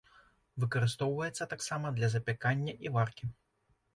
Выкарыстоўваецца таксама для запякання і варкі.